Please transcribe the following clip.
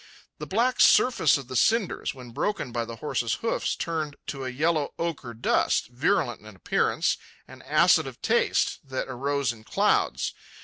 The black surface of the cinders, when broken by the horses' hoofs, turned to a yellow ochre dust, virulent in appearance and acid of taste, that arose in clouds.